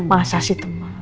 masa sih temen